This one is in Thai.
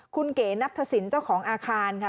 คุณเก๋นัทธศิลป์เจ้าของอาคารค่ะ